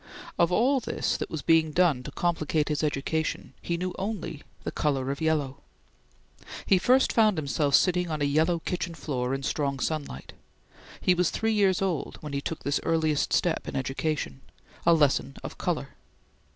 Of all this that was being done to complicate his education, he knew only the color of yellow. He first found himself sitting on a yellow kitchen floor in strong sunlight. He was three years old when he took this earliest step in education; a lesson of color.